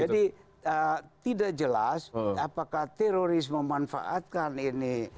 jadi tidak jelas apakah terorisme memanfaatkan ini